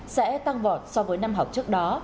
sẽ tăng vọt so với năm học trước đó